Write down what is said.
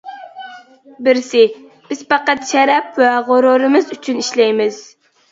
بىرسى: بىز پەقەت شەرەپ ۋە غۇرۇرىمىز ئۈچۈن ئىشلەيمىز.